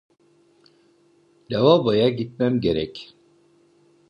Lavaboya gitmem gerek.